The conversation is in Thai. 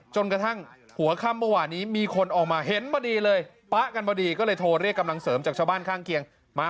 จนกระทั่งหัวข้ำผ้ว่านี้มีคนออกมาเห็นเสียเลย